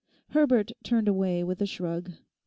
Herbert turned away with a shrug.